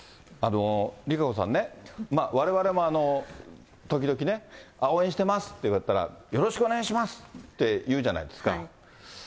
ＲＩＫＡＣＯさんね、まあ、われわれも時々ね、応援してますって言われたら、よろしくお願いしますって言うじゃないですか。